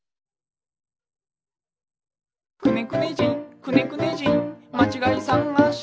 「くねくね人くねくね人まちがいさがし」